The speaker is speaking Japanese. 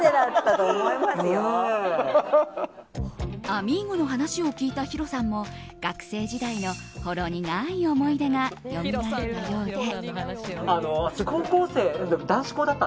あみーゴの話を聞いたヒロさんも学生時代のほろ苦い思い出がよみがえったようで。